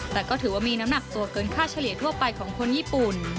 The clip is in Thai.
แต่ก็ถือว่ามีน้ำหนักตัวเกินค่าเฉลี่ยทั่วไปของคนญี่ปุ่น